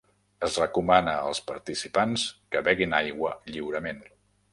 Es recomana als participants que beguin aigua lliurement.